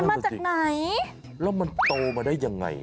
เออนั่นแน่จริงมันมาจากไหนแล้วมันโตมาได้อย่างไร